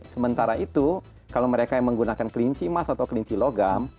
sementara itu kalau mereka yang menggunakan kelinci emas atau kelinci logam